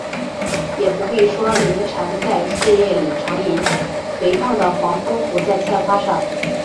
也不必说鸣蝉在树叶里长吟，肥胖的黄蜂伏在菜花上